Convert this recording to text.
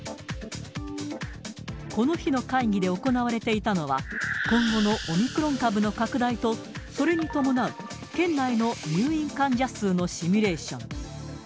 この日の会議で行われていたのは、今後のオミクロン株の拡大と、それに伴う県内の入院患者数のシミュレーション。